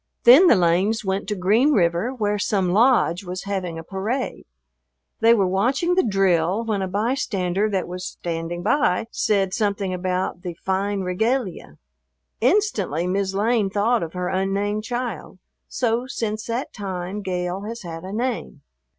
Then the Lanes went to Green River where some lodge was having a parade. They were watching the drill when a "bystander that was standing by" said something about the "fine regalia." Instantly "Mis' Lane" thought of her unnamed child; so since that time Gale has had a name.